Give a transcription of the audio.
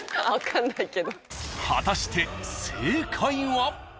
［果たして正解は］